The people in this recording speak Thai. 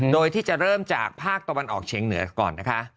โดยที่จะเริ่มจากภาคตะวันออกเชียงเหนือก่อนนะคะ